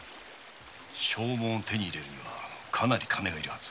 証文を手に入れるにはかなりの金が要るはず。